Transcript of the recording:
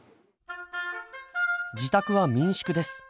自宅は民宿です。